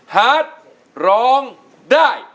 ฮาร์ดร้องได้